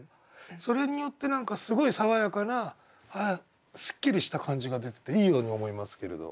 それによって何かすごい爽やかなすっきりした感じが出てていいように思いますけれど。